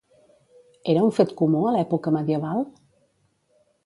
Era un fet comú a l'època medieval?